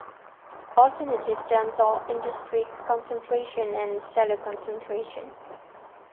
Alternative terms are Industry concentration and Seller concentration.